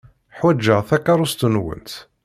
Ḥwajeɣ takeṛṛust-nwent.